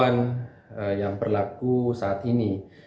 dan ketentuan yang berlaku saat ini